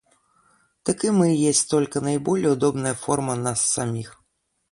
Так и мы есть только наиболее удобная форма нас самих.